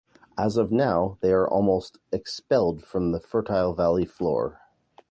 As of now, they are almost expelled from the fertile valley floor.